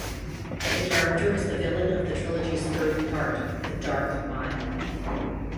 The character is the villain of the trilogy's third part, "The Dark Mile".